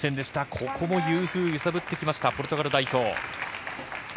ここもユー・フー揺さぶってきましたポルトガル代表。